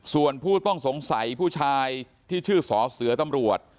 ส่วนผู้ต้องสงสัยผู้ชายที่ชื่อสอเสือตำรวจ